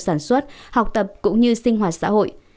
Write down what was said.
sản xuất học tập cũng như sinh hoạt xã hội